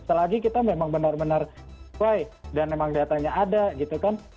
selagi kita memang benar benar sesuai dan memang datanya ada gitu kan